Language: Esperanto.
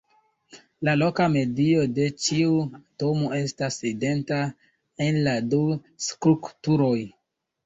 La loka medio de ĉiu atomo estas identa en la du strukturoj.